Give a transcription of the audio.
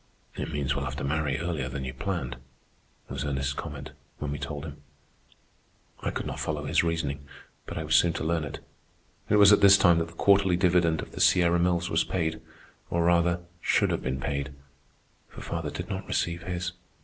"It means we'll have to marry earlier than you planned," was Ernest's comment when we told him. I could not follow his reasoning, but I was soon to learn it. It was at this time that the quarterly dividend of the Sierra Mills was paid—or, rather, should have been paid, for father did not receive his.